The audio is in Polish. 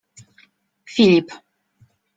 Filip.